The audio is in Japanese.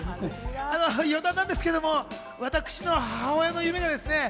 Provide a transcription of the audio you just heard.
余談なんですけども私の母親の夢がですね